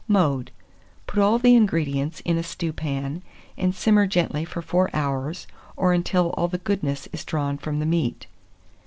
Mode. Put all the ingredients in a stewpan, and simmer gently for 4 hours, or until all the goodness is drawn from the meat.